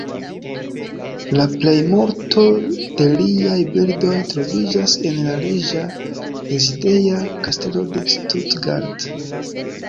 La plejmulto de liaj bildoj troviĝas en la Reĝa rezideja kastelo de Stuttgart.